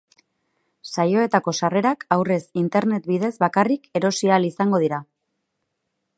Saioetako sarrerak aurrez internet bidez bakarrik erosi ahal izango dira.